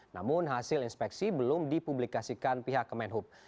namun hasil inspeksi belum dipublikasikan pihak kemenhub